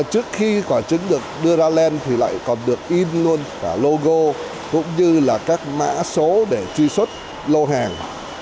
trước khi quả trứng được đưa ra lên thì lại còn được in luôn cả logo cũng như là các mã số để truy xuất lô hàng